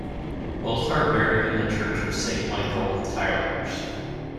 Both are buried in the Church of Saint Michael, Tilehurst.